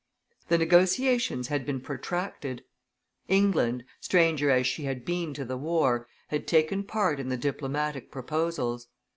The negotiations had been protracted. England, stranger as she had been to the war, had taken part in the diplomatic proposals.